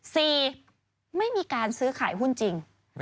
สี่ไม่มีการซื้อขายหุ้นจริง